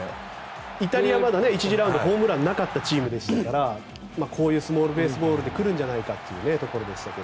イタリアはまだ１次ラウンドホームランがなかったチームでしたからこういうスモールベースボールで来るんじゃないかというところでしたが。